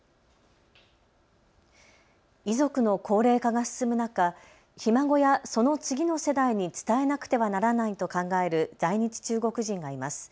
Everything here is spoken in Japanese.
遺族の高齢化が進む中、ひ孫やその次の世代に伝えなくてはならないと考える在日中国人がいます。